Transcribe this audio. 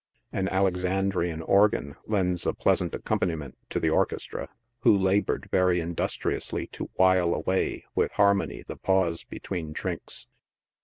An Alexandrian organ lends a pleasant accompaniment to the orchestra, who labored very indus triously to while away with harmony the pause between drinks.